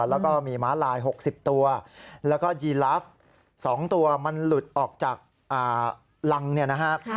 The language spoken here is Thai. แล้วก็มีม้าลาย๖๐ตัวแล้วก็ยีลาฟ๒ตัวมันหลุดออกจากรังเนี่ยนะฮะ